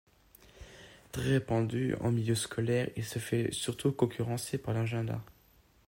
Très répandu en milieu scolaire, il se fait surtout concurrencer par l’agenda.